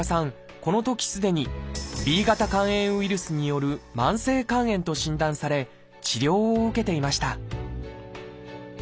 このときすでに「Ｂ型肝炎ウイルスによる慢性肝炎」と診断され治療を受けていました